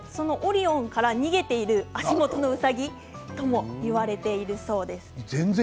それから逃げている足元のうさぎと言われてるそうです。